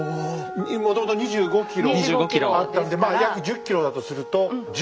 もともと２５ｋｇあったんでまあ約１０ｋｇだとすると１５ｋｇ。